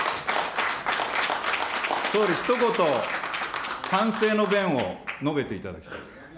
総理、ひと言、反省の弁を述べていただきたい。